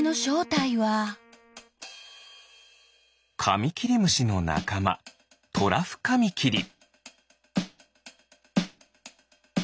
カミキリムシのなかまトラフカミキリ。